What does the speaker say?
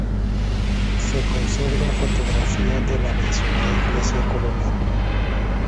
Se conserva fotografía de la mencionada iglesia colonial.